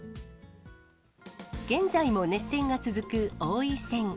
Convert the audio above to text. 現在も熱戦が続く王位戦。